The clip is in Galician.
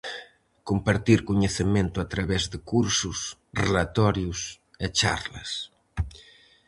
Compartir coñecemento a través de cursos, relatorios e charlas.